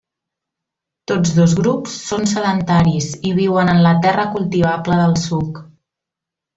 Tots dos grups són sedentaris i viuen en la terra cultivable del suc.